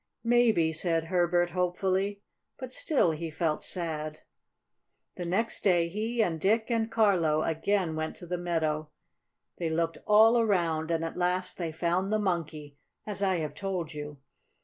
"Maybe," said Herbert hopefully. But still he felt sad. The next day he and Dick and Carlo again went to the meadow. They looked all around, and at last they found the Monkey, as I have told you.